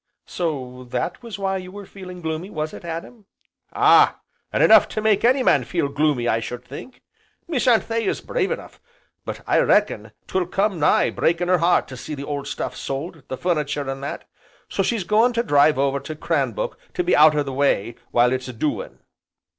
"So that was why you were feeling gloomy, was it, Adam?" "Ah! an' enough to make any man feel gloomy, I should think. Miss Anthea's brave enough, but I reckon 'twill come nigh breakin' 'er 'eart to see the old stuff sold, the furnitur' an' that, so she's goin' to drive over to Cranbrook to be out o' the way while it's a doin'."